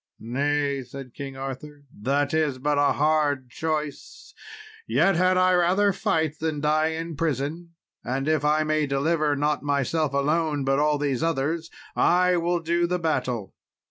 "Nay," said King Arthur, "that is but a hard choice, yet had I rather fight than die in prison, and if I may deliver not myself alone, but all these others, I will do the battle."